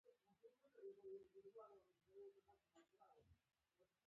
ټول کارتونه او نږدې دیارلس زره افغانۍ هم په کې وې.